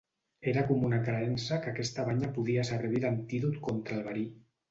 Era comuna creença que aquesta banya podia servir d'antídot contra el verí.